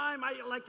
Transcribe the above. saya merasa bersalah